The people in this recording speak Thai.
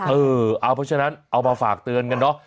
เออเอาเพราะฉะนั้นเอามาฝากเตือนกันเนอะ